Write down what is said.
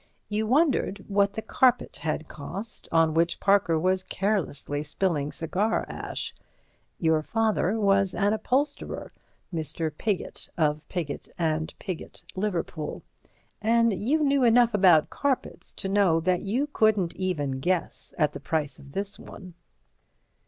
You wondered what the carpet had cost on which Parker was carelessly spilling cigar ash; your father was an upholsterer—Mr. Piggott, of Piggott & Piggott, Liverpool—and you knew enough about carpets to know that you couldn't even guess at the price of this one.